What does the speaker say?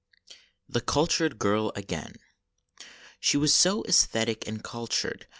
THF Clli.TljRF.D GIRL AGAIN She was so esthetic and culchud.